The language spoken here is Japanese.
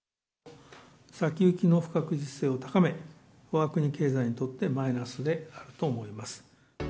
先行きの不確実性を高め、わが国経済にとってマイナスであると思います。